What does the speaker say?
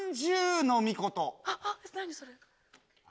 何それ。